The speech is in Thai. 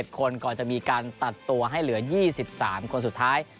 ๗คนก่อนจะมีการตัดตัวให้เหลือ๒๓คนสุดท้าย